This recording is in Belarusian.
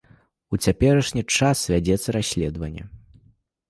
У цяперашні час вядзецца расследаванне.